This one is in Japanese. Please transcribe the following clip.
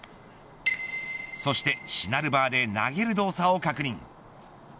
そして、しなるバーで投げる動作を確認。